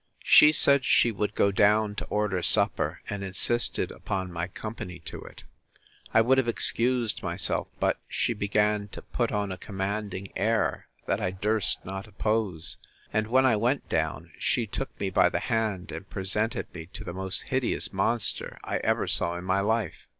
She said she would go down to order supper; and insisted upon my company to it. I would have excused myself; but she began to put on a commanding air, that I durst not oppose. And when I went down, she took me by the hand, and presented me to the most hideous monster I ever saw in my life.